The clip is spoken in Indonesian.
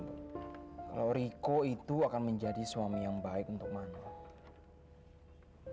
kalau riko itu akan menjadi suami yang baik untuk manual